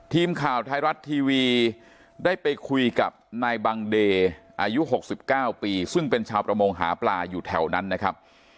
ทีมข่าวไทยรัฐทีวีได้ไปคุยกับนายบังเดย์อายุ๖๙ปีซึ่งเป็นชาวประมงหาปลาอยู่แถวนั้นนะครับ